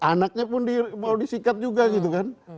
anaknya pun mau disikat juga gitu kan